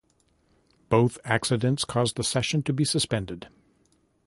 Both accidents caused the session to be suspended.